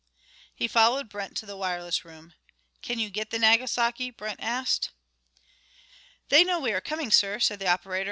He followed Brent to the wireless room. "Can you get the Nagasaki?" Brent asked. "They know we are coming, sir," said the operator.